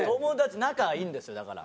仲いいんですよだから。